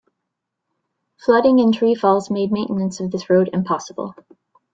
Flooding and tree falls made maintenance of this road impossible.